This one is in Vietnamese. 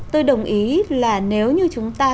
tôi đồng ý là nếu như chúng ta